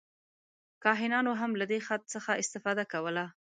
کاهنانو هم له دې خط څخه استفاده کوله.